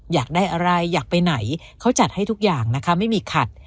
อยากได้อะไรอยากไปไหนเขาจัดให้ทุกอย่างนะคะไม่มีขัด